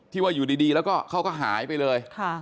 ว่าอยู่ดีแล้วก็เขาก็หายไปเลย